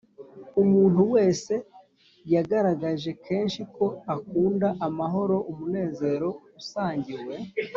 umuntu wese Yagaragaje kenshi ko akunda amahoro umunezero usangiwe